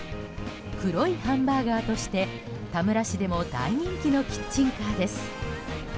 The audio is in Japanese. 黒いハンバーガーとして田村市でも大人気のキッチンカーです。